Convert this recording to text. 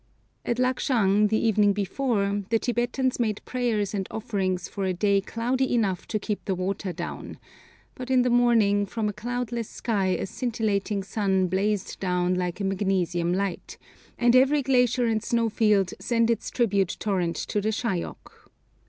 At Lagshung, the evening before, the Tibetans made prayers and offerings for a day cloudy enough to keep the water down, but in the morning from a cloudless sky a scintillating sun blazed down like a magnesium light, and every glacier and snowfield sent its tribute torrent to the Shayok.